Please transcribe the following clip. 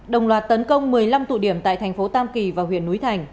đồng loạt tấn công một mươi năm tụ điểm tại thành phố tam kỳ và huyện núi thành